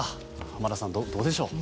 浜田さん、どうでしょう。